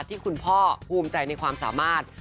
ที่คุณพ่อภูมิใจในความสามารถ